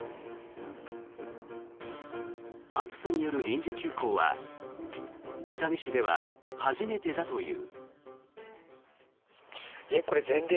暑さによる臨時休校は北見市では初めてだという。